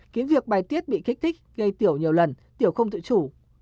cái việc bài tiết bị kích thích gây tiểu nhiều lần tiểu không tự chủ